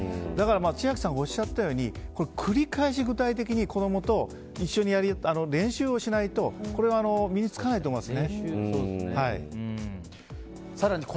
千秋さんがおっしゃったように繰り返し子供と一緒に練習をしないとこれは、身に付かないと思います。